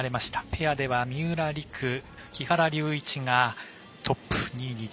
ペアでは三浦璃来木原龍一がトップ。